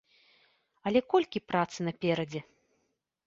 Але колькі працы наперадзе?